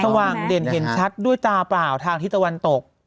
สว่างเห็นชัดด้วยตาเปล่าทางทิตย์ทวัณฑ์ตก